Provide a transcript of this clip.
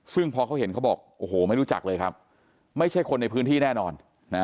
ซึ่งพอเขาเห็นเขาบอกโอ้โหไม่รู้จักเลยครับไม่ใช่คนในพื้นที่แน่นอน